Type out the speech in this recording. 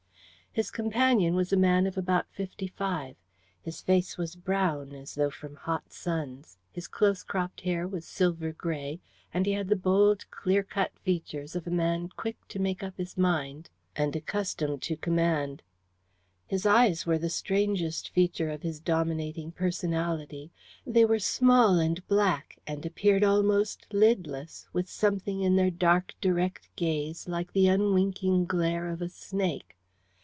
His companion was a man of about fifty five. His face was brown, as though from hot suns, his close cropped hair was silver grey, and he had the bold, clear cut features of a man quick to make up his mind and accustomed to command. His eyes were the strangest feature of his dominating personality. They were small and black, and appeared almost lidless, with something in their dark direct gaze like the unwinking glare of a snake.